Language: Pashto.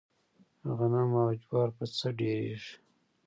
غنم او جوار په څۀ ډېريږي؟